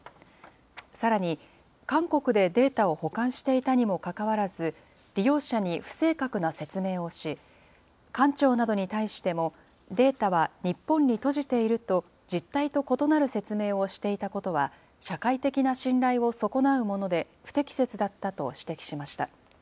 さらに、韓国でデータを保管していたにもかかわらず、利用者に不正確な説明をし、官庁などに対してもデータは日本に閉じていると実態と異なる説明をしていたことは、社会的な信頼を損なうもので不適切だったと指摘しました。